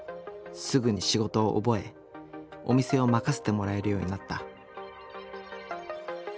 すぐに仕事を覚えお店を任せてもらえるようになった。